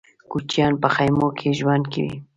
کوچيان په خيمو کې ژوند کوي.